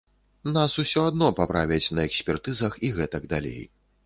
Нас усё адно паправяць на экспертызах і гэтак далей.